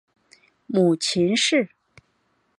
母秦氏。